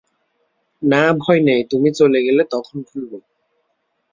না ভয় নেই, তুমি চলে গেলে তখন খুলব।